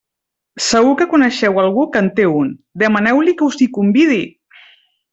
Segur que coneixeu algú que en té un; demaneu-li que us hi convidi!